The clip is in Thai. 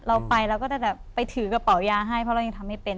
เราไปเราก็จะแบบไปถือกระเป๋ายาให้เพราะเรายังทำไม่เป็น